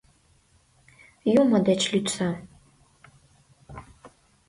Юмо деч лӱдса...